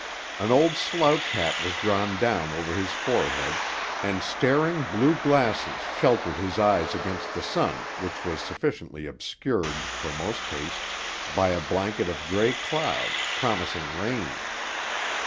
An old slouch hat was drawn down over his forehead, and staring blue glasses sheltered his eyes against the sun, which was sufficiently obscured—for most tastes—by a blanket of gray cloud, promising rain.